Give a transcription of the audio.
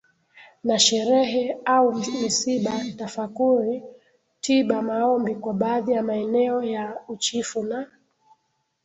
na sherehe au misiba tafakuri tiba maombi kwa baadhi ya maeneo ya Uchifu na